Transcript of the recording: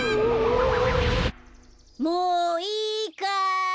もういいかい。